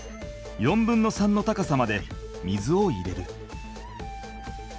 ４分の３の高さまで水を入れる。